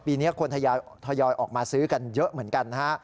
ปีนี้คนทยอยออกมาซื้อกันเยอะเหมือนกันนะฮะ